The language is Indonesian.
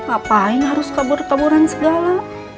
apa yang harus kabur kaburan segala